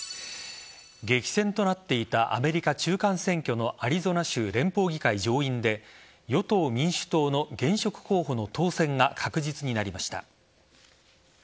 激戦となっていたアメリカ中間選挙のアリゾナ州連邦議会上院で与党・民主党の現職候補の当選が確実になりました。